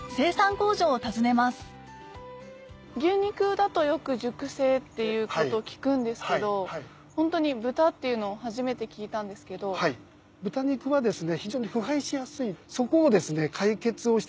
工場を訪ねます牛肉だとよく熟成っていうこと聞くんですけどホントに豚っていうの初めて聞いたんですけど。ということになりますね。